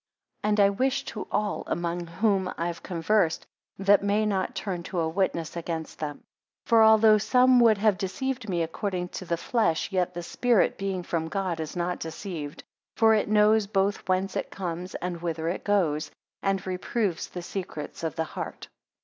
10 And I wish to all, among whom I have conversed, that may not turn to a witness again them. 11 For although some would have deceived me according to the flesh, yet the spirit, being from God, is not deceived: for it knows, both whence it comes and whither it goes, and reproves the secrets of the heart.